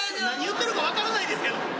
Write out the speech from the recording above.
何言ってるか分からないですけど。